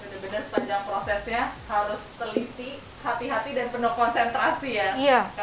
benar benar sepanjang prosesnya harus teliti hati hati dan penuh konsentrasi ya